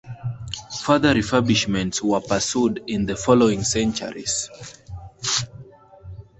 Further refurbishments were pursued in the following centuries.